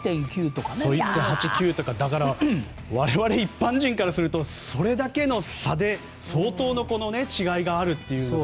１．８とかだから、我々一般人からするとそれだけの差で相当な違いがあるという。